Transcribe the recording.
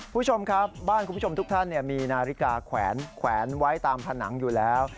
คุณผู้ชมครับบ้านคุณผู้ชมทุกท่านมีนาฬิกาแขวนไว้ตามผนังอยู่แล้ว